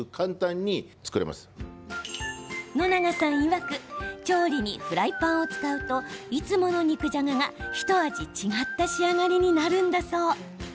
野永さんいわく調理にフライパンを使うといつもの肉じゃががひと味違った仕上がりになるんだそう。